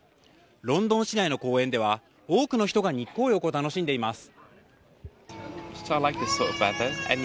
ロンドン市内の公園では多くの人が日光浴を楽しんでいます。